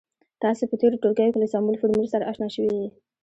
تاسې په تیرو ټولګیو کې له سمبول، فورمول سره اشنا شوي يئ.